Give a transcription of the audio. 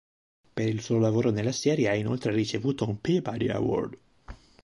Per il suo lavoro nella serie ha inoltre ricevuto un Peabody Award.